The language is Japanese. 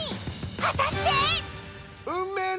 果たして！？